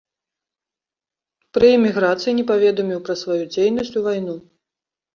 Пры іміграцыі не паведаміў пра сваю дзейнасць у вайну.